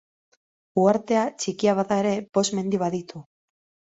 Uhartea txikia bada ere bost mendi baditu.